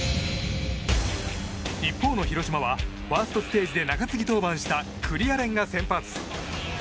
一方の広島はファーストステージで中継ぎ登板した九里亜蓮が先発。